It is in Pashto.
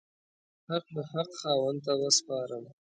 حق د حق خاوند ته وسپارم.